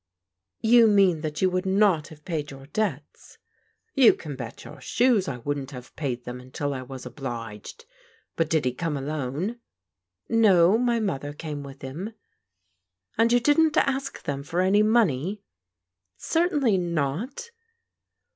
"You mean that you would not have paid your debts?" " You can bet your shoes I wouldn't have paid them until I was obliged. But did he come alone ?"" No, my mother came with him." " And you didn't ask them for any money? "" Certainly not."